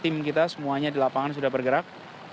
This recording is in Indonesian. tim kita semuanya di lapangan sudah bergerak